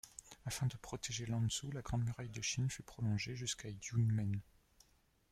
Afin de protéger Lanzhou, la Grande Muraille de Chine fut prolongée jusqu'à Yumen.